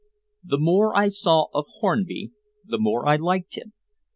The more I saw of Hornby, the more I liked him.